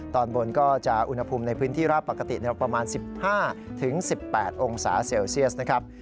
ตอนบนก็จะอุณหภูมิในพื้นที่ราบปกติประมาณ๑๕๑๘องศาเซลเซียสนะครับ